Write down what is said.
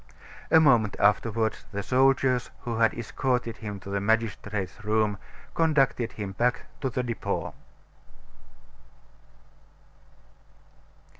A moment afterward the soldiers who had escorted him to the magistrate's room conducted him back to the Depot.